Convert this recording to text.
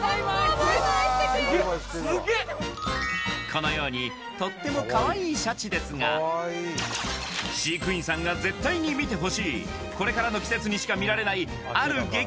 このようにとってもかわいいシャチですが飼育員さんが絶対に見てほしいこれからの季節にしか見られないある激